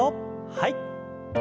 はい。